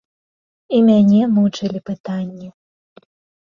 І мяне мучылі пытанні.